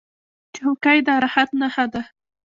چوکۍ د راحت نښه ده.